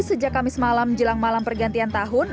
sejak kamis malam jelang malam pergantian tahun